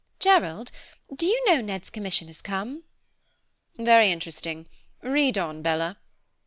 "Gerald, do you know Ned's commission has come?" "Very interesting. Read on, Bella."